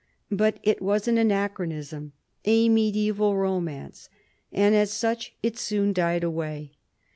But it was an anachronism, a mediaeval romance, and as such it soon died away.